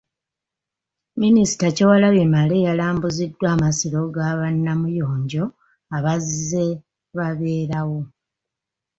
Minisita Kyewalabye Male yalambuziddwa amasiro ga ba Namuyonjo abazze babeerawo.